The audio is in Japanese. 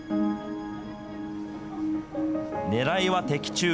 ねらいは的中。